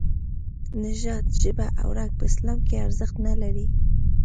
نژاد، ژبه او رنګ په اسلام کې ارزښت نه لري.